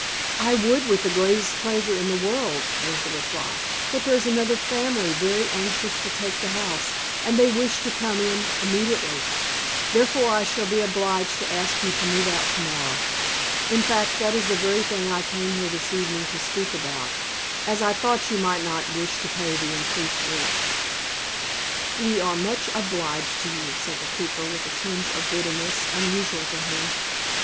"I would with the greatest pleasure in the world," was the reply, "but there's another family very anxious to take the house, and they wish to come in immediately. Therefore I shall be obliged to ask you to move out to morrow. In fact that is the very thing I came here this evening to speak about, as I thought you might not wish to pay the increased rent." "We are much obliged to you," said the cooper, with a tinge of bitterness unusual to him.